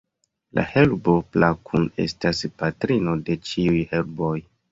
La herbo Plakun estas patrino de ĉiuj herboj.